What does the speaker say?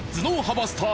バスター